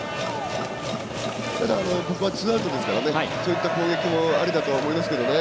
ただ、ツーアウトですからねそういった攻撃もありだと思いますけどね。